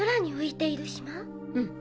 うん。